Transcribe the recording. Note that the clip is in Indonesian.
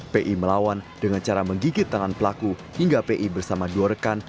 p i melawan dengan cara menggigit tangan pelaku hingga p i bersama dua rekan